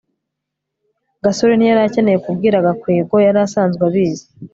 gasore ntiyari akeneye kubwira gakwego. yari asanzwe abizi